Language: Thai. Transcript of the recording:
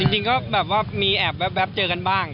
จริงก็มีแบบกับเจอกันบ้าง